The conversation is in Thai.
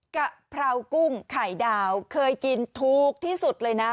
กะเพรากุ้งไข่ดาวเคยกินถูกที่สุดเลยนะ